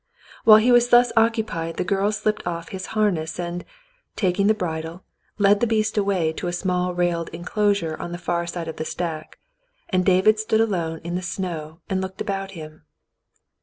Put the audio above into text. While he was thus occupied, the girl slipped off his har ness and, taking the bridle, led the beast away to a small railed enclosure on the far side of the stack ; and David stood alone in the snow and looked about him.